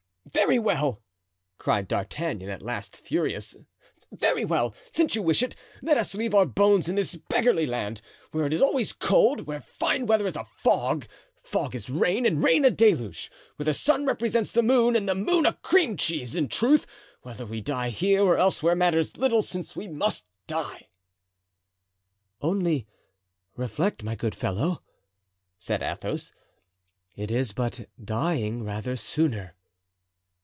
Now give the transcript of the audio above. "Very well," cried D'Artagnan, at last, furious, "very well, since you wish it, let us leave our bones in this beggarly land, where it is always cold, where fine weather is a fog, fog is rain, and rain a deluge; where the sun represents the moon and the moon a cream cheese; in truth, whether we die here or elsewhere matters little, since we must die." "Only reflect, my good fellow," said Athos, "it is but dying rather sooner."